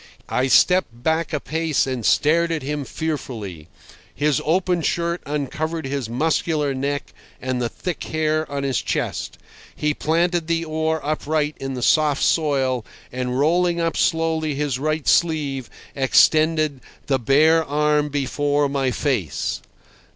I stepped back a pace and stared at him fearfully. His open shirt uncovered his muscular neck and the thick hair on his chest. He planted the oar upright in the soft soil, and rolling up slowly his right sleeve, extended the bare arm before my face.